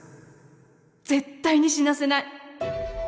絶対に死なせない！